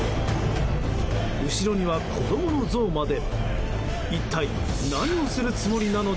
後ろには子供のゾウまで。